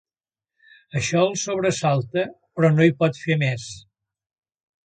Això el sobresalta, però no hi pot fer més.